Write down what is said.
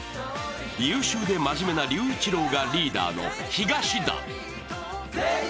優秀で真面目な龍一郎がリーダーの東団。